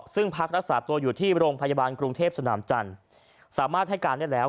ซึ่งพักรักษาตัวอยู่ที่โรงพยาบาลกรุงเทพสนามจันทร์สามารถให้การได้แล้ว